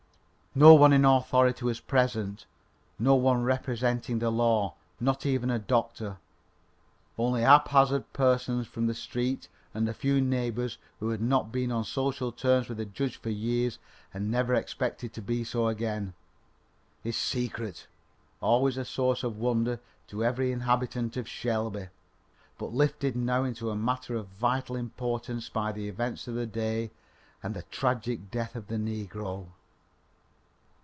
No one in authority was present; no one representing the law, not even a doctor; only haphazard persons from the street and a few neighbours who had not been on social terms with the judge for years and never expected to be so again. His secret! always a source of wonder to every inhabitant of Shelby, but lifted now into a matter of vital importance by the events of the day and the tragic death of the negro!